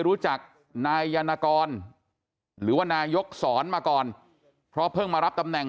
รู้จักนายยานกรหรือว่านายกสอนมาก่อนเพราะเพิ่งมารับตำแหน่ง